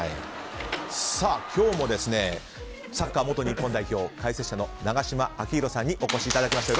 今日もサッカー元日本代表解説者の永島昭浩さんにお越しいただきました。